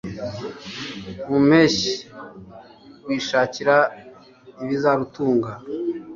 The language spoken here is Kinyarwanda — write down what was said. mu mpeshyi rwishakira ibizarutunga